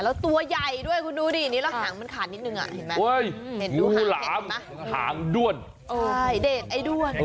เห็นตัวใหญ่ด้วยครับแล้วทางมันขาดนิดนิดนึงน่ะ